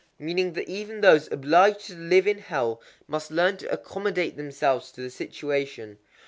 Meaning that even those obliged to live in hell must learn to accommodate themselves to the situation.